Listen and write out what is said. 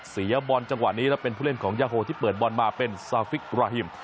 เสียบอลจังหวะนี้และเป็นผู้เล่นของยาโฮที่เปิดบอลมาเป็นซาฟิกบราฮิม